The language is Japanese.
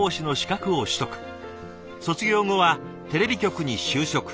卒業後はテレビ局に就職。